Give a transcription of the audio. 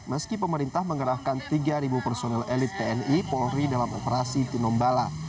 meski pemerintah mengerahkan tiga personel elit tni polri dalam operasi tinombala